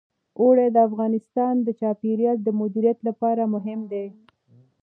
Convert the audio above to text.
اوړي د افغانستان د چاپیریال د مدیریت لپاره مهم دي.